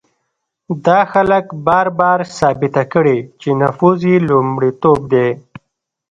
دا خلک بار بار ثابته کړې چې نفوذ یې لومړیتوب دی.